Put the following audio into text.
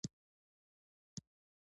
آیا بادام بهر ته ځي؟